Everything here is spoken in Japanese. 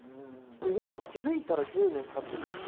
今気付いたら１０年たってたんで。